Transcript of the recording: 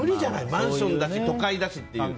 マンションだし、都会だしって。